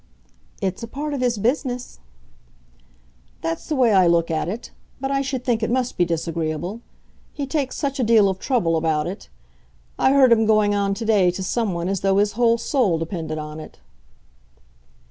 "It's a part of his business." "That's the way I look at it. But I should think it must be disagreeable. He takes such a deal of trouble about it. I heard him going on to day to some one as though his whole soul depended on it."